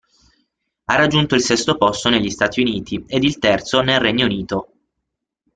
Ha raggiunto il sesto posto negli Stati Uniti ed il terzo nel Regno Unito.